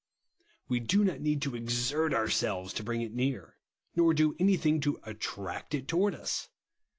We do not need to exert ourselves to bring it near ; nor to do any thing to attract it towards ns.